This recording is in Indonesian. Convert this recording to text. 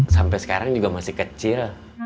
sampai sekarang juga masih kecil